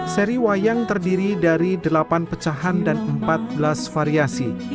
seri wayang terdiri dari delapan pecahan dan empat belas variasi